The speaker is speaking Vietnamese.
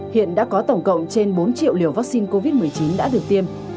hiện đã có tổng cộng trên bốn triệu liều vắc xin covid một mươi chín đã được tiêm